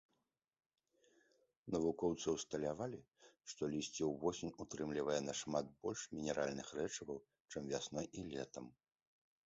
Навукоўцы ўсталявалі, што лісце ўвосень утрымліваюць нашмат больш мінеральных рэчываў, чым вясной і летам.